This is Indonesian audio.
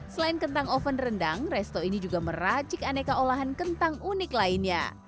selain kentang oven rendang resto ini juga meracik aneka olahan kentang unik lainnya